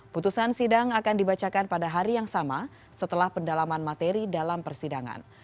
putusan sidang akan dibacakan pada hari yang sama setelah pendalaman materi dalam persidangan